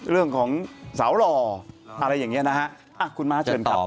เรื่องของสาวหล่ออะไรอย่างนี้นะฮะคุณม้าเชิญครับ